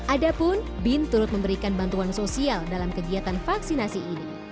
adapun bin turut memberikan bantuan sosial dalam kegiatan vaksinasi ini